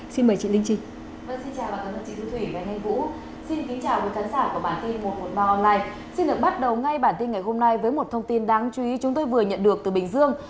xin được bắt đầu ngay bản tin ngày hôm nay với một thông tin đáng chú ý chúng tôi vừa nhận được từ bình dương